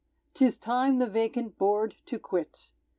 'Tis time the vacant board to quit.